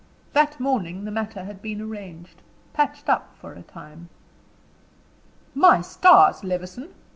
That morning the matter had been arranged patched up for a time. "My stars, Levison!"